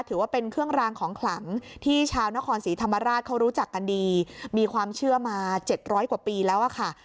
ถือว่าเป็นเครื่องรางของขลังที่ชาวนครศรีธรรมราชเขารู้จักกันดีมีความเชื่อมา๗๐๐กว่าปีแล้วอะค่ะ